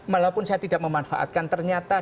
malah pun saya tidak memanfaatkan ternyata